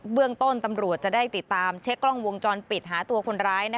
เรื่องต้นตำรวจจะได้ติดตามเช็คกล้องวงจรปิดหาตัวคนร้าย